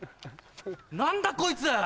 何だこいつ！